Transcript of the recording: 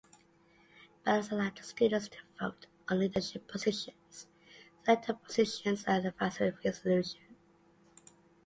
Ballots allow students to vote on leadership positions, senator positions and advisory resolutions.